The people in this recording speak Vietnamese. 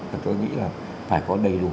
và tôi nghĩ là phải có đầy đủ